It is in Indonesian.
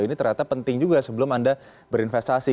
ini ternyata penting juga sebelum anda berinvestasi